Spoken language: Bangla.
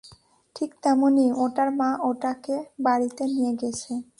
ঠিক তেমনই, ওটার মা ওটাকে বাড়িতে নিয়ে গেছে।